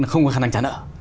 hoàn thành trả nợ